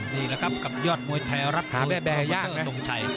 นี่แหละครับกับยอดมวยไทยรัฐเวอร์มอเตอร์สงชัย